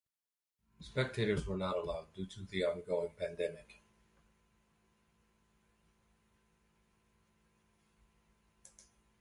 Spectators were not allowed due to the ongoing pandemic.